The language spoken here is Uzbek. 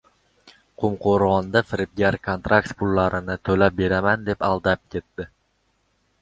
Qumqo‘rg‘onda firibgar kontrakt pullarini to‘lab beraman deb aldab ketdi